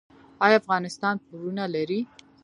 آیا افغانستان پورونه لري؟